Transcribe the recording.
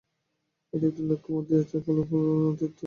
এই একটি লক্ষ্যের মধ্যেই আছে মানুষের সকল অতৃপ্ত তৃষ্ণার মূল রহস্য।